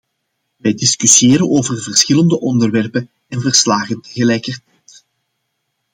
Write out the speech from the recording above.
Wij discussiëren over verschillende onderwerpen en verslagen tegelijkertijd.